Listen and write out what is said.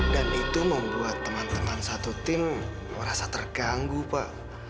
dan itu membuat teman teman satu tim merasa terganggu pak